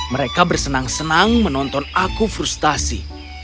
mereka bersenang senang menonton aku frustasi